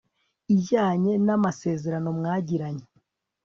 ijyanye n'amasezerano mwagiranye